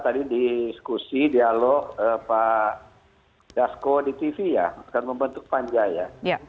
tadi diskusi dialog pak dasko di tv ya akan membentuk panja ya